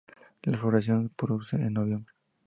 La floración se produce en noviembre.